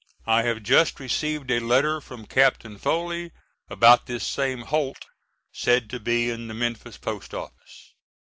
I have just received a letter from Captain Foley about this same Holt said to be in the Memphis post office.